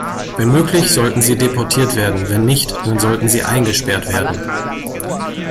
Wenn möglich, sollten sie deportiert werden, wenn nicht, dann sollten sie eingesperrt werden.